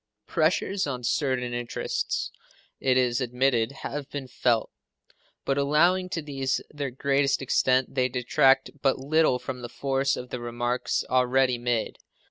Pressures on certain interests, it is admitted, have been felt; but allowing to these their greatest extent, they detract but little from the force of the remarks already made.